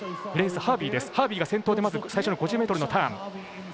ハービーが先頭で最初の５０ｍのターン。